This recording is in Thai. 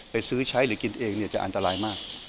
ไปซื้อใช้หรือกินเองเนี่ยจะอันตรายมาก